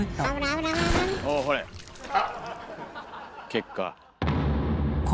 結果。